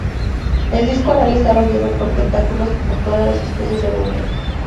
El disco oral está rodeado por tentáculos, como todas las especies del orden.